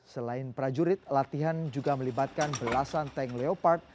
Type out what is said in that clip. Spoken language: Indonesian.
selain prajurit latihan juga melibatkan belasan tank leopard